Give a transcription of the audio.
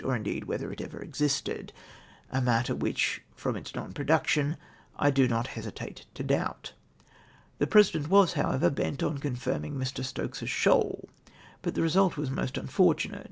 or, indeed, whether it ever existed ; a matter Avhicli, from its non production, I do not hesitate to doubt. The President was, however, bent on conhrming Mr. Stokes's shoal, but the result was most unfortunate.